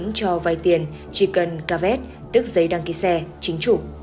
chị hát không cho vay tiền chỉ cần cà vét tức giấy đăng ký xe chính chủ